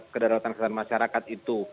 kedarawatan kesehatan masyarakat itu